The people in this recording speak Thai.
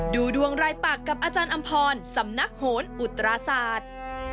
ดูดวงรายปากกับอาจารย์อำพรสำนักโหนอุตราศาสตร์